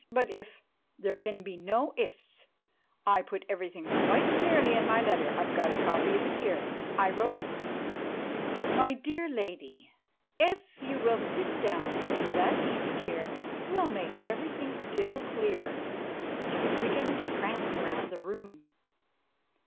"But if——" "There can be no ifs; I put everything quite clearly in my letter. I've got a copy of it here. I wrote——" "My dear lady, if you will sit down in that easy chair, we'll make everything still clearer." She was beginning to prance around the room.